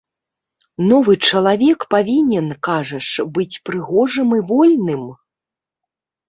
Новы чалавек павінен, кажаш, быць прыгожым і вольным?